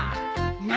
何！？